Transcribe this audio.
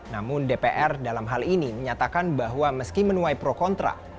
namun dpr dalam hal ini menyatakan bahwa meski menuai pro kontra